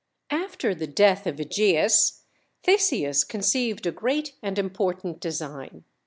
After the death of Ægeus, Theseus conceived a great and important design.